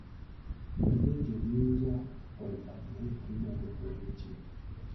Ebintu bingi ebiyinza okukoleka naye tulina okwekuba mu mitima.